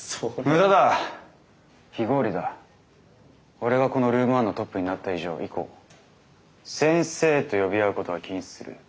俺がこのルーム１のトップになった以上以降先生と呼び合うことは禁止する。